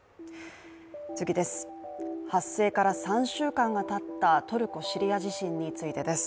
発生から３週間がたったトルコ・シリア地震についてです。